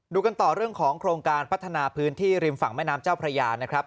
กันต่อเรื่องของโครงการพัฒนาพื้นที่ริมฝั่งแม่น้ำเจ้าพระยานะครับ